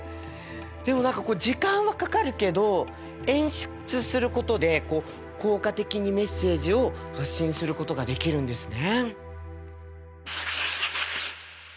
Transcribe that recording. でも何か時間はかかるけど演出することで効果的にメッセージを発信することができるんですね。